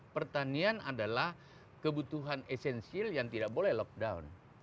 pertanian adalah kebutuhan esensial yang tidak boleh lockdown